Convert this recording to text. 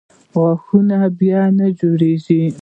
غاښونه بیا نه جوړېږي.